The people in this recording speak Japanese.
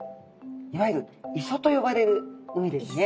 いわゆる磯と呼ばれる海ですね。